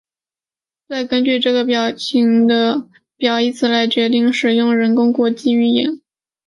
再根据这中介的表义字词来决定使用人工国际语言。